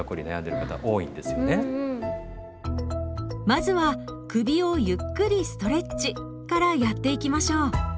まずは「首をゆっくりストレッチ」からやっていきましょう。